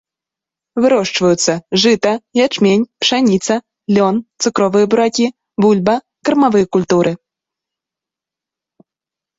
Вырошчваюцца жыта, ячмень, пшаніца, лён, цукровыя буракі, бульба, кармавыя культуры.